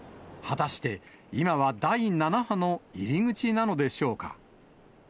果たして、今は第７波の入り口なのでしょうか。